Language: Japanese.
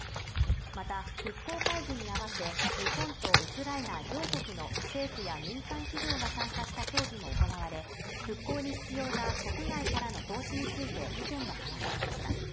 また、復興会議に合わせ、日本とウクライナ領国の政府や民間企業が参加した協議も行われ、復興に必要な国外からの投資について意見が交わされました。